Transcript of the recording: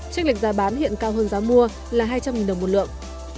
trách lệnh giá bán hiện cao hơn giá mua là hai trăm linh đồng một lượng